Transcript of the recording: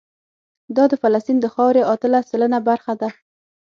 دا د فلسطین د خاورې اتلس سلنه برخه ده.